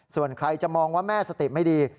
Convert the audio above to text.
ส่วนใครจะมองว่าแม่สติไม่ดี